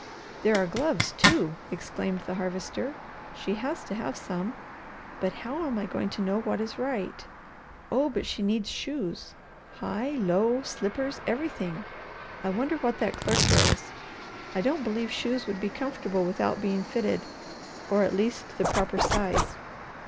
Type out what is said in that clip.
"There are gloves, too!" exclaimed the Harvester. "She has to have some, but how am I going to know what is right? Oh, but she needs shoes! High, low, slippers, everything! I wonder what that clerk wears. I don't believe shoes would be comfortable without being fitted, or at least the proper size.